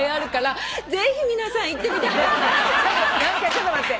ちょっと待って。